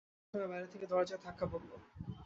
এমন সময় বাইরে থেকে দরজায় ধাক্কা পড়ল।